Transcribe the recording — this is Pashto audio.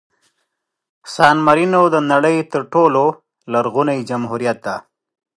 سان مارینو د نړۍ تر ټولو لرغوني جمهوریت دی.